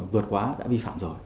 vượt quá đã vi phạm rồi